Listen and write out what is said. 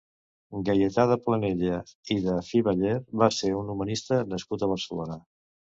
Gaietà de Planella i de Fiveller va ser un humanista nascut a Barcelona.